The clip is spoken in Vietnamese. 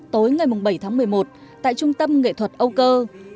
tối ngày bảy tháng một mươi một tại trung tâm nghệ thuật âu cộng hòa